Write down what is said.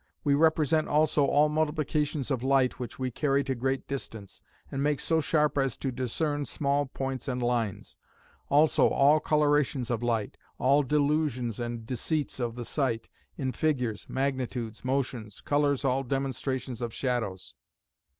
We represent also all multiplications of light, which we carry to great distance, and make so sharp as to discern small points and lines. Also all colourations of light; all delusions and deceits of the sight, in figures, magnitudes, motions, colours all demonstrations of shadows.